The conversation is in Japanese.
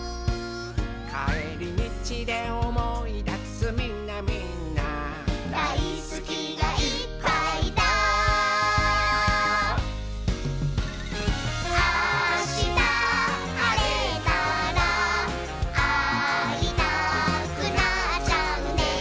「かえりみちでおもいだすみんなみんな」「だいすきがいっぱいだ」「あしたはれたらあいたくなっちゃうね」